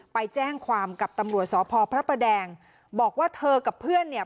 ไปแจ้งความกับตำรวจสพพระประแดงบอกว่าเธอกับเพื่อนเนี่ย